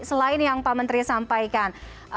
selain yang pak menteri sampaikan